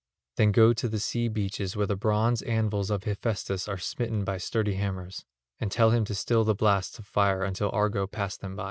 Then go to the sea beaches where the bronze anvils of Hephaestus are smitten by sturdy hammers, and tell him to still the blasts of fire until Argo pass by them.